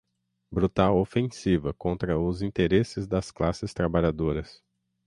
brutal ofensiva contra os interesses das classes trabalhadoras